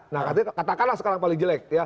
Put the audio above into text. nah katakanlah sekarang paling jelek ya